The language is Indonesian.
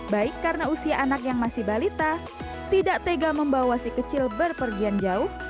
baik karena usia anak yang masih balita tidak tega membawa si kecil berpergian jauh